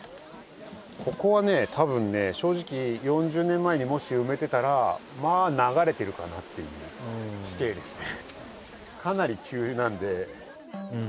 ここはねたぶんね正直４０年前にもし埋めてたらまあ流れてるかなっていう地形ですね